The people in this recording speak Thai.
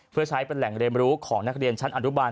เพื่อใช้เป็นแหล่งเรียนรู้ของนักเรียนชั้นอนุบาล